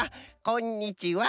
こんにちは。